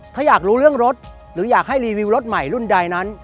ถ้าอยากรู้เรื่องรถหรืออยากให้รีวิวรถใหม่รุ่นใดนั้น